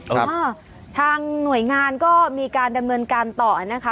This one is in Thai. อ่าทางหน่วยงานก็มีการดำเนินการต่อนะคะ